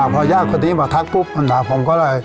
พอยากวันนี้มาทักปุ๊บผมก็เลย